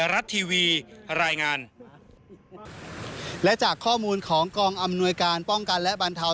รัฐทีวีรายงานและจากข้อมูลของกองอำนวยการป้องกันและบรรเทา